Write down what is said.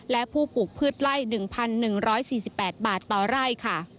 และผู้ปลูกพืชไล่๑๑๔๘บาทต่อไร่ค่ะ